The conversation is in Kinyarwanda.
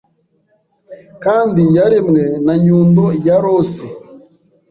kandi yaremwe na Nyundo ya Losi